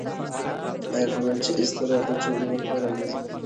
هغه وویل چې اضطراب د ټولو لپاره اغېزمن کېدای شي.